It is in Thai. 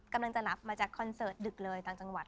กำลังจะรับมาจากคอนเสิร์ตดึกเลยต่างจังหวัด